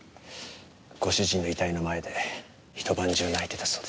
ご主人の遺体の前で一晩中泣いてたそうです。